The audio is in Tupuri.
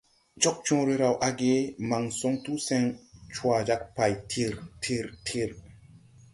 Cogcõõre raw age, man soŋ tu sen, cwa jag pay tir tir tir.